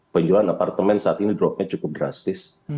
penjualan apartemen saat ini dropnya cukup drastis